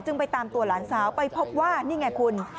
ไปตามตัวหลานสาวไปพบว่านี่ไงคุณ